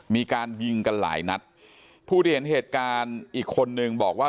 มีการยิงกันหลายนัดผู้ที่เห็นเหตุการณ์อีกคนนึงบอกว่า